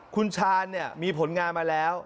คุณชาญมีผลงานมาแล้ว